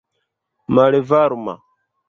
malvarma